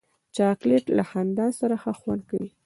چاکلېټ له خندا سره ښه خوند کوي.